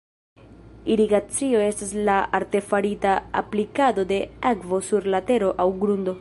Irigacio estas la artefarita aplikado de akvo sur la tero aŭ grundo.